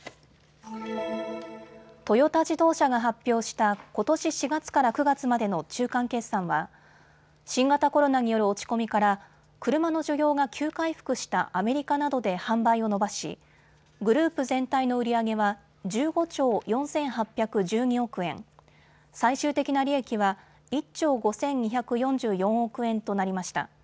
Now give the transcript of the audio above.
トヨタ自動車が発表したことし４月から９月までの中間決算は新型コロナによる落ち込みから車の需要が急回復したアメリカなどで販売を伸ばしグループ全体の売り上げは１５兆４８１２億円、最終的な利益は１兆５２４４億円となりました。